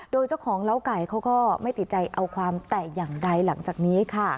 โดยเจ้าของเล้าไก่เขาก็ไม่ติดใจเอาความแต่อย่างใดหลังจากนี้ค่ะ